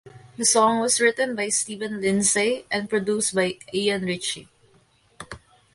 The song was written by Steven Lindsay and produced by Ian Ritchie.